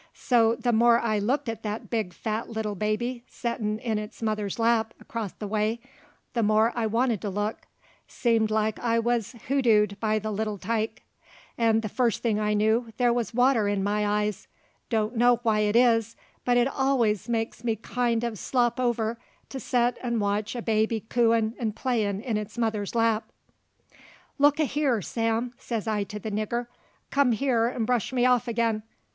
So the more I looked at that big, fat little baby settin' in its mother's lap 'cross the way, the more I wanted to look; seemed like I wuz hoodooed by the little tyke; 'nd the first thing I knew there wuz water in my eyes; don't know why it is, but it allus makes me kind ur slop over to set 'nd watch a baby cooin' 'nd playin' in its mother's lap. "Look a' hyar, Sam," says I to the nigger, "come hyar 'nd bresh me off ag'in!